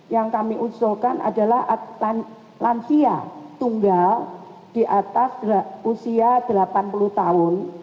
yang kami usulkan adalah lansia tunggal di atas usia delapan puluh tahun